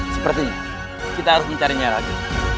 seperti ini kita harus mencari nyara aja